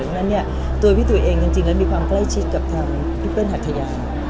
ว่าตัวพี่ตัวเองจริงมีความใกล้ชิดกับท่านพี่เปิ้ลหัทยา